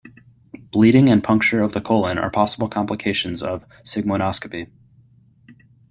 Bleeding and puncture of the colon are possible complications of sigmoidoscopy.